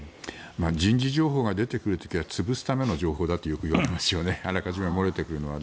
人事情報が出てくる時は潰すための情報だとよく言われますよねあらかじめ漏れてくるのは。